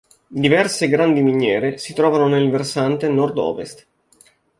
Diverse grandi miniere si trovano nel versante nord-ovest.